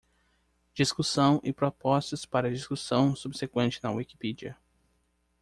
Discussão e propostas para discussão subseqüente na Wikipedia.